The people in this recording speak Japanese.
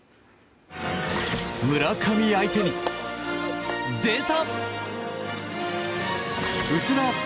村上相手に出た！